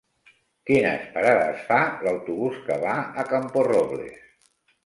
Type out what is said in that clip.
Quines parades fa l'autobús que va a Camporrobles?